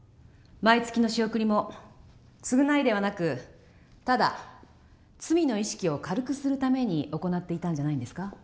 毎月の仕送りも償いではなくただ罪の意識を軽くするために行っていたんじゃないんですか？